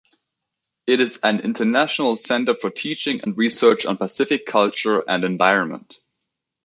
It is an international centre for teaching and research on Pacific culture and environment.